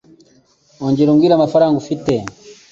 Ongera umbwire amafaranga ufite.